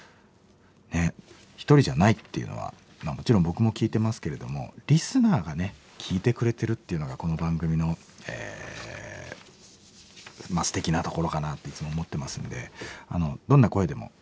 ねっ１人じゃないっていうのはもちろん僕も聞いてますけれどもリスナーが聞いてくれてるっていうのがこの番組のすてきなところかなっていつも思ってますんでどんな声でもぜひお寄せ頂ければなと思ってます。